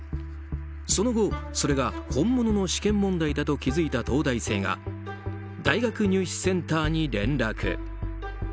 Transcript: その後、それが本物の試験問題だと気づいた東大生が大学入試センターに連絡。